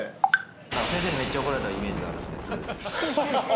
先生にめっちゃ怒られたイメージがあるんですよね。